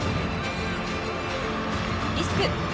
リスク。